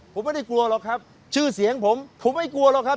ผมไม่ได้กลัวหรอกครับชื่อเสียงผมผมไม่กลัวหรอกครับ